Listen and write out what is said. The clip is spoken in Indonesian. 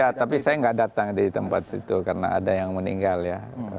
ya tapi saya nggak datang di tempat situ karena ada yang meninggal ya